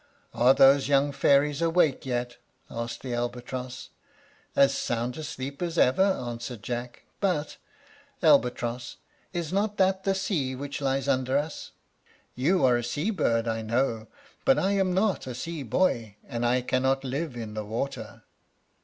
"Are those young fairies awake yet?" asked the albatross. "As sound asleep as ever," answered Jack; "but, Albatross, is not that the sea which lies under us? You are a sea bird, I know, but I am not a sea boy, and I cannot live in the water."